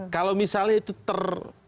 kalau misalnya itu ter